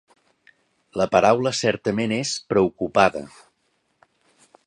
La paraula certament és "preocupada".